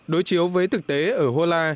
đối chiếu với thực tế ở hô la